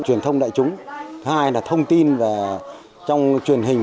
truyền thông đại chúng hay là thông tin và trong truyền hình